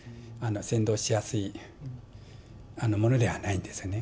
扇動しやすいものではないんですよね。